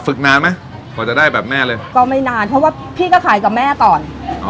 นานไหมกว่าจะได้แบบแม่เลยก็ไม่นานเพราะว่าพี่ก็ขายกับแม่ก่อนอ๋อ